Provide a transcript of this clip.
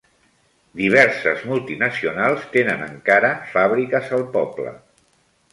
Diverses multinacionals tenen encara fàbriques al poble.